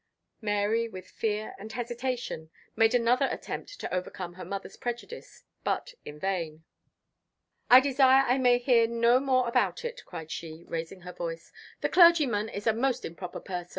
Mary, with fear and hesitation, made another attempt to overcome her mother's prejudice, but in vain. "I desire I may hear no more about it!" cried she, raising her voice. "The clergyman is a most improper person.